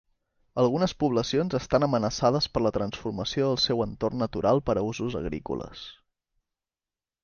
Algunes poblacions estan amenaçades per la transformació del seu entorn natural per a usos agrícoles.